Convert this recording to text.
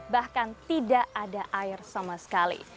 bahkan tidak ada air sama sekali